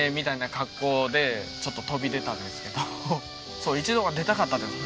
そう一度は出たかったんですね。